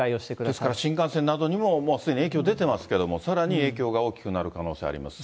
ですから新幹線などにも、もうすでに影響出てますけど、さらに影響が大きくなる可能性があります。